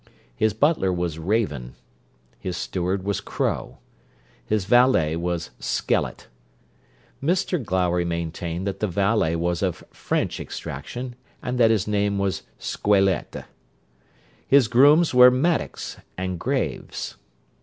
His butler was Raven; his steward was Crow; his valet was Skellet. Mr Glowry maintained that the valet was of French extraction, and that his name was Squelette. His grooms were Mattocks and Graves.